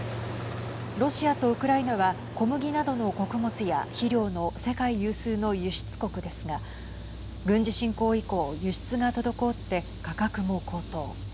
ロシアとウクライナは小麦などの穀物や肥料の世界有数の輸出国ですが軍事侵攻以降輸出が滞って、価格も高騰。